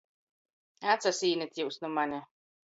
Atsasīnit jius nu mani!